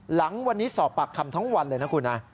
หลังวันนี้สอบปากคำทั้งวันเลยนะคุณนะ